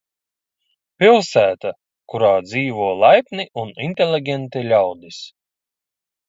Pilsēta, kurā dzīvo laipni un inteliģenti ļaudis.